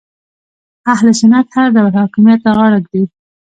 اهل سنت هر ډول حاکمیت ته غاړه ږدي